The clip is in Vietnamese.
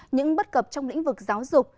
những bất cập trong lĩnh vực giáo dục